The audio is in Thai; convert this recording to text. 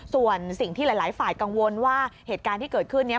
ส่วนสิ่งที่หลายฝ่ายกังวลว่าเหตุการณ์ที่เกิดขึ้นเนี่ย